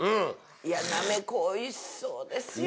いやなめこおいしそうですよ。